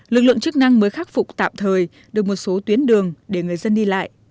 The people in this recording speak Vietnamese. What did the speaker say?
lực lượng chức năng mới khắc phục tạm thời được một số tuyến đường để người dân đi lại